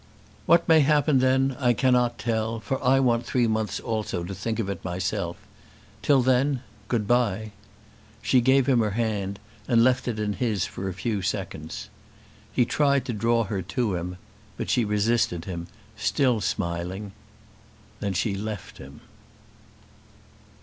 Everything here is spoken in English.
"What may happen then I cannot tell, for I want three months also to think of it myself. Till then, good bye." She gave him her hand and left it in his for a few seconds. He tried to draw her to him; but she resisted him, still smiling. Then she left him.